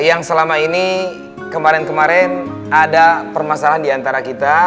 yang selama ini kemarin kemarin ada permasalahan diantara kita